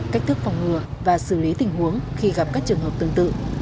cách thức phòng ngừa và xử lý tình huống khi gặp các trường hợp tương tự